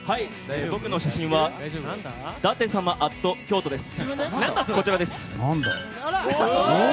僕の写真は舘様＠京都です。